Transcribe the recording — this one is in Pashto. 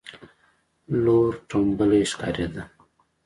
لور ټومبلی ښکارېده.